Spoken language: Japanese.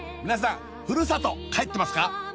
皆さんふるさと帰ってますか？